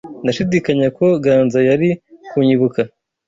Ndashidikanya ko Ganza yari kunyibuka.